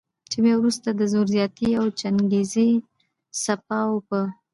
چې بیا وروسته د زور زیاتی او چنګیزي څپاو په